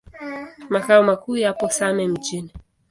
Makao makuu yapo Same Mjini.